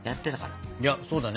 いやそうだね。